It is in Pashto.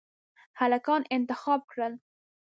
هلکان انتخاب کړل.